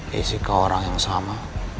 jessica orang yang sama